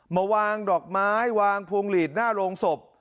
มาวางดอกไม้วางพวงหลีดหน้าโรงศพ